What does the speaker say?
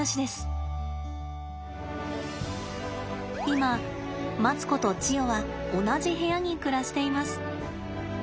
今マツコとチヨは同じ部屋に暮らしています。